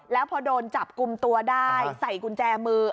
แล้วพอโดนจับกลุ่มตัวได้ใส่กุญแจมือ